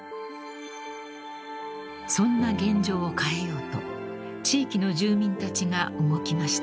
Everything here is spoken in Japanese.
［そんな現状を変えようと地域の住民たちが動きました］